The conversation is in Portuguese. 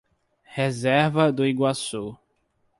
Reserva do Iguaçu